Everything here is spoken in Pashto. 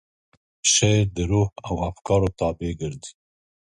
شعر د روح او افکارو تابع ګرځي.